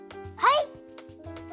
はい！